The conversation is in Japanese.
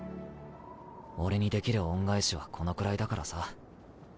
俺にできる恩返しはこのくらいだからさ。